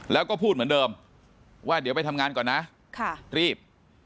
แล้วก็พูดเหมือนเดิมว่าเดี๋ยวไปทำงานก่อนนะรีบ